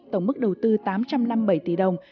tổng mức đầu tư tám trăm năm mươi bảy tỷ đồng